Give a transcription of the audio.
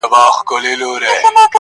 o په هر چا کي ښه او بد سته٫